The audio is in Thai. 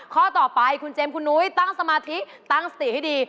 ข้อต่อไปคุณเจมส์คุณนุ้ยตั้งสมาธิตั้งสติให้ดี